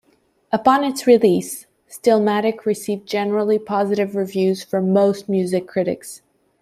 Upon its release, "Stillmatic" received generally positive reviews from most music critics.